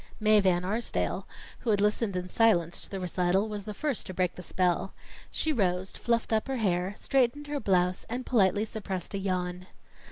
Mae Van Arsdale, who had listened in silence to the recital, was the first to break the spell. She rose, fluffed up her hair, straightened her blouse, and politely suppressed a yawn.